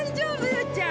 よっちゃん。